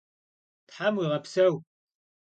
Them vuiğepseu!